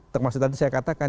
termasuk tadi saya katakan